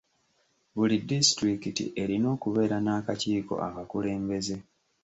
Buli disitulikiti erina okubeera n'akakiiko akakulembeze.